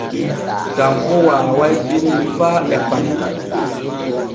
Tanko waaway binni faa e fahin.